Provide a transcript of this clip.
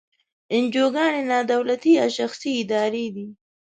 انجوګانې نا دولتي یا شخصي ادارې دي.